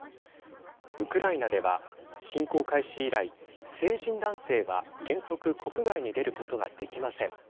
ウクライナでは侵攻開始以来成人男性は原則国外に出ることができません。